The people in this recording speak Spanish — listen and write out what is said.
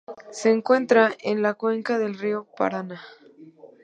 Se encuentra en la cuenca del río Paraná.